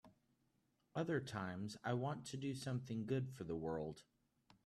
Other times I want to do something good for the world.